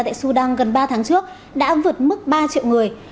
tại sudan gần ba tháng trước đã vượt mức ba triệu người